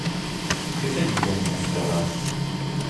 Que faites-vous donc construire là ?